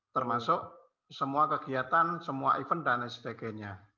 termasuk semua kegiatan semua event dan sdg nya